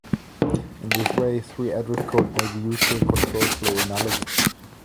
In this way, three-address code may be useful in control-flow analysis.